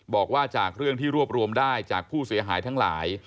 บอกว่าจากเรื่องที่รวบรวมได้จากผู้เสียหายทั้งหลาย